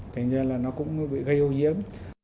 thành ra là nó cũng bị gây ô nhiễm